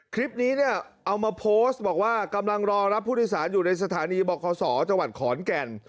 คลิปนี้เอามาโพสต์บอกว่ากำลังรอรับผู้อีศาลอยู่ในสถานีบ่กศจขอนแก่น